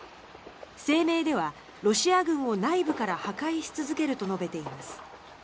声明では、ロシア軍を内部から破壊し続けると述べています。